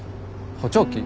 補聴器？